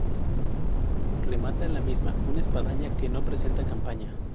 Remata la misma una espadaña que no presenta campaña.